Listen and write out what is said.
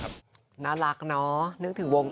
เพราะว่ามีศิลปินดังมาร่วมเพลงรักกับหนูโตหลายคนเลยค่ะ